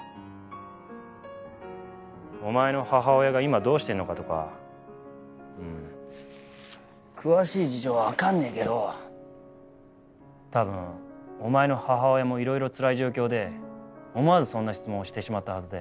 お前の母親が今どうしてるのかとかうーん詳しい事情はわかんねえけど多分お前の母親もいろいろつらい状況で思わずそんな質問をしてしまったはずで。